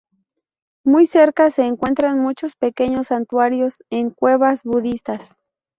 Muy cerca se encuentran muchos pequeños santuarios en cuevas budistas.